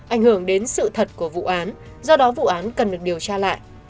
ảnh hưởng đến sự thật của vụ án do đó vụ án cần được điều tra lại